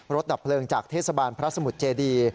ดับเพลิงจากเทศบาลพระสมุทรเจดี